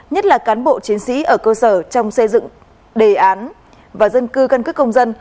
nhất là cán bộ chiến sĩ ở cơ sở trong xây dựng đề án và dân cư căn cứ công dân